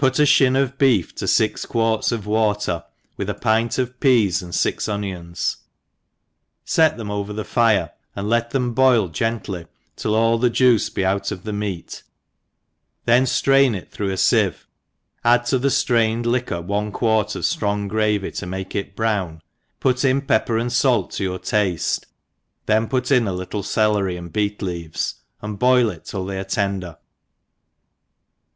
a (hin of beef to fix quart5 of water, with a pint of peas and fix onions, fet them over the fire, and let them boil gently till all the juice be out of the meat, then rtrain it through a ficve, add to the ilrained liquor One quart of ilrong^ gravy to make it brown, put in pepper and fait to your taile, then put in a little celery, and bciet leaves, and boil it till they axe tender.